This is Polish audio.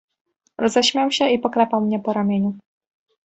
"Roześmiał się i poklepał mnie po ramieniu."